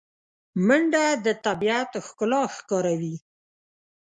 منډه د طبیعت ښکلا ښکاروي